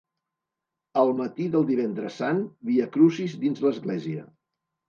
Al matí del Divendres Sant, Viacrucis dins l'Església.